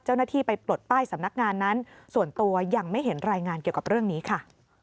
เจ้าหน้าที่ไปปลดป้ายสำนักงานนั้นส่วนตัวยังไม่เห็นรายงานเกี่ยวกับเรื่องนี้ค่ะ